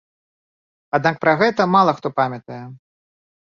Аднак пра гэта мала хто памятае.